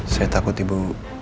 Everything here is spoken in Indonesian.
saya takut ibu